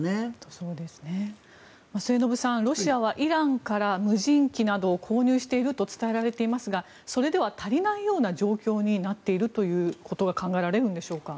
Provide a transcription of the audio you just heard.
末延さん、ロシアはイランから無人機などを購入していると伝えられていますがそれでは足りないような状況になっているということが考えられるんでしょうか。